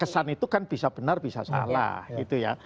kesan itu kan bisa benar bisa salah gitu ya